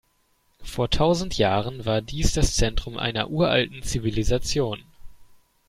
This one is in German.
Vor tausend Jahren war dies das Zentrum einer uralten Zivilisation.